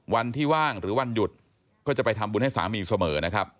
ว่างหรือวันหยุดก็จะไปทำบุญให้สามีเสมอนะครับ